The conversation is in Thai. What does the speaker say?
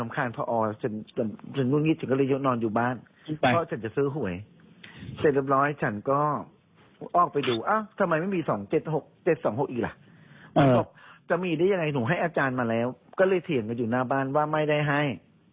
ก็เลยเถียงกันอยู่หน้าบ้านว่าไม่ได้ให้